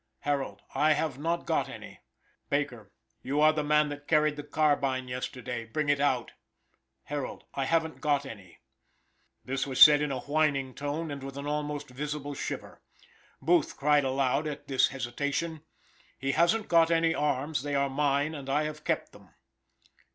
Harold "I have not got any." Baker "You are the man that carried the carbine yesterday; bring it out." Harold "I haven't got any." This was said in a whining tone, and with an almost visible shiver. Booth cried aloud, at this hesitation: "He hasn't got any arms; they are mine, and I have kept them."